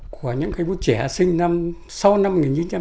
của những cây bút trẻ sinh sau năm một nghìn chín trăm năm mươi bốn